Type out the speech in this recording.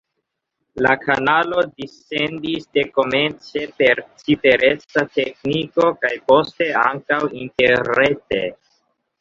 La kanalo dissendis dekomence per cifereca tekniko kaj poste ankaŭ interrete.